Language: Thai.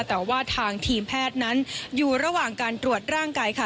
แต่ว่าทางทีมแพทย์นั้นอยู่ระหว่างการตรวจร่างกายค่ะ